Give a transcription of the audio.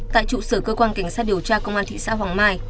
tại trụ sở cơ quan cảnh sát điều tra công an thị xã hoàng mai